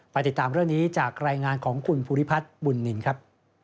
ติดตามเรื่องนี้จากรายงานของคุณภูริพัฒน์บุญนินครับ